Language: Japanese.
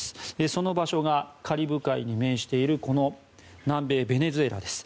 その場所がカリブ海に面しているこの南米ベネズエラです。